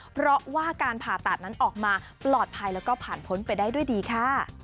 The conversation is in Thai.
เพราะว่าการผ่าตัดนั้นออกมาปลอดภัยแล้วก็ผ่านพ้นไปได้ด้วยดีค่ะ